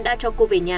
đã cho cô về nhà